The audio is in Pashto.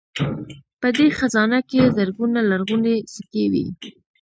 په دې خزانه کې زرګونه لرغونې سکې وې